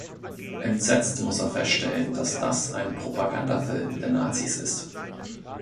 Entsetzt muss er feststellen, dass das ein Propagandafilm der Nazis ist.